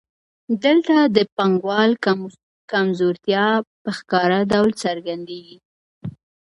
دلته د پانګوال کمزورتیا په ښکاره ډول څرګندېږي